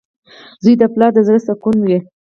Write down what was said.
• زوی د پلار د زړۀ سکون وي.